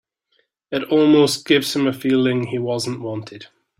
It almost gives him a feeling he wasn't wanted.